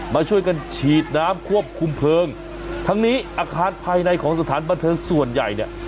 มาช่วยกันฉีดน้ำควบคุมเพลิงทั้งนี้อาคารภายในของสถานบันเทิงส่วนใหญ่เนี่ย